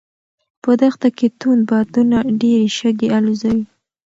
په دښته کې توند بادونه ډېرې شګې الوځوي.